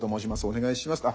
お願いします」